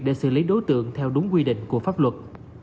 để xử lý đối tượng theo đúng quy định của pháp luật